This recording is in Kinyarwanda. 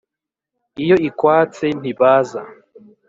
Iyo ikwatse ntibaza..!